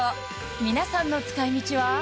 皆さんの使い道は？